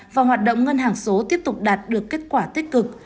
và hoạt động ngân hàng số tiếp tục đạt được kết quả tích cực